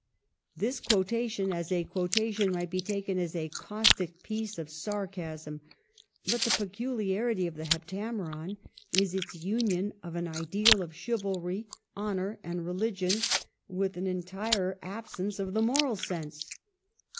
This quotation, as a quo tation, might be taken as a caustic piece of sar casm ; but the peculiarity of the " Heptameron " is its union of an ideal of chivalry, honor, and re ligion, with an entire absence of the moral sense.